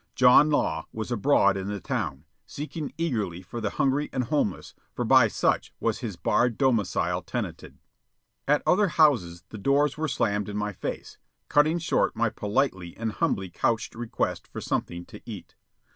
John Law was abroad in the town, seeking eagerly for the hungry and homeless, for by such was his barred domicile tenanted. At other houses the doors were slammed in my face, cutting short my politely and humbly couched request for something to eat.